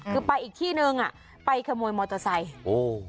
คือไปอีกที่นึงไปขโมยมอเตอร์ไซค์